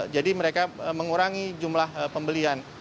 jadi mereka mengurangi jumlah pembelian